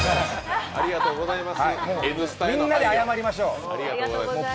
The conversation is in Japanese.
みんなで謝りましょう。